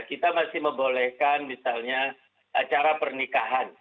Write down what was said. kita masih membolehkan misalnya acara pernikahan